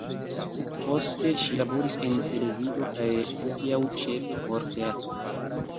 Poste, ŝi laboris en televido kaj, hodiaŭ, ĉefe por teatro.